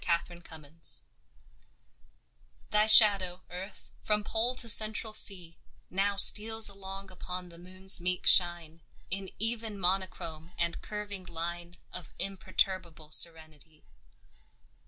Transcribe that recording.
AT A LUNAR ECLIPSE THY shadow, Earth, from Pole to Central Sea, Now steals along upon the Moon's meek shine In even monochrome and curving line Of imperturbable serenity.